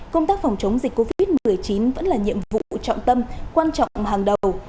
công tác phòng chống dịch covid một mươi chín vẫn là nhiệm vụ trọng tâm quan trọng hàng đầu